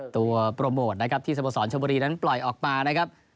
โปรโมทนะครับที่สโมสรชมบุรีนั้นปล่อยออกมานะครับ